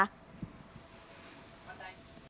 วันไหน